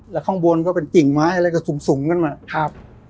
แล้วข้างบนก็เป็นกิ่งไม้อะไรก็สูงสูงขึ้นมาครับ